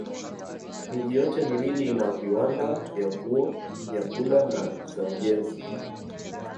Miji yote miwili ina viwanda vya nguo, vyakula na za ujenzi.